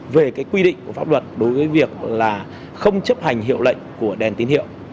về quy định của pháp luật đối với việc là không chấp hành hiệu lệnh của đèn tín hiệu